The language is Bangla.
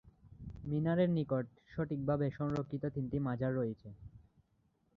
মিনারের নিকটে সঠিকভাবে সংরক্ষিত তিনটি মাজার রয়েছে।